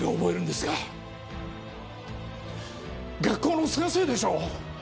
学校の先生でしょう！